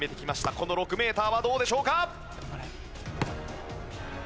この６メーターはどうでしょうか！？